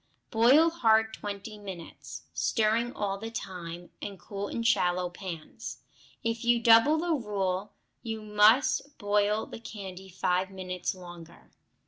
Boil hard twenty minutes, stirring all the time, and cool in shallow pans. If you double the rule you must boil the candy five minutes longer.